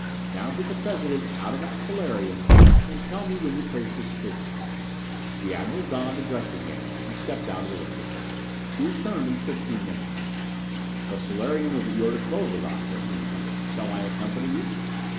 Now get the President out of that solarium and tell me when the coast is clear." The Admiral donned a dressing gown and stepped out of the room. He returned in fifteen minutes. "The solarium is at your disposal, Doctor," he announced. "Shall I accompany you?"